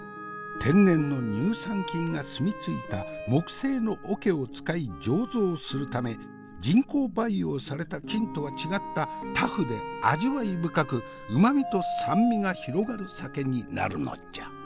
天然の乳酸菌が住み着いた木製の桶を使い醸造するため人工培養された菌とは違ったタフで味わい深くうまみと酸味が広がる酒になるのじゃ。